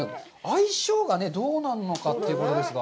相性がどうなのかということですが。